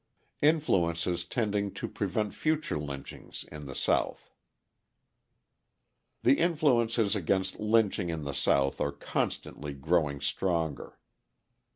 Influences Tending to Prevent Future Lynchings in the South The influences against lynching in the South are constantly growing stronger.